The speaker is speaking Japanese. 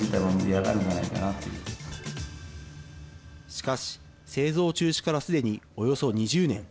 しかし、製造中止からすでにおよそ２０年。